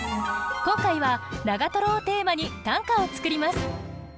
今回は「長」をテーマに短歌を作ります。